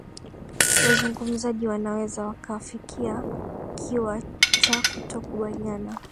wazungumzaji wanaweza wakafikia kiwa cha kutokukubaliana